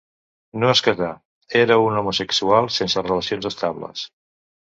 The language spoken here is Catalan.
No es casà; era un homosexual sense relacions estables.